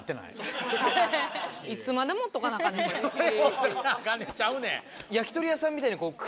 「いつまで持っとかなアカンねん」ちゃうねん！